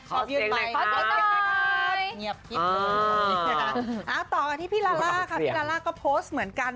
ขอเสียงหน่อยต่อกันที่พี่ลาล่าก็โพสต์เหมือนกัน